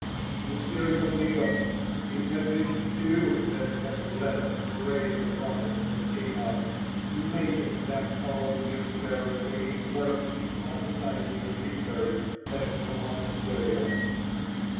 The spirit of Naboth it had been, too, that had let astray the prophets of Ahab, making them all use the very same words in prophesying a victory at Ramothgilead.